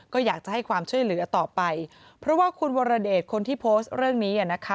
ก็อยากจะให้ความช่วยเหลือต่อไปเพราะว่าคุณวรเดชคนที่โพสต์เรื่องนี้อ่ะนะคะ